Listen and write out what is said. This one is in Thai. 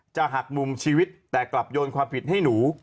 หักมุมชีวิตแต่กลับโยนความผิดให้หนู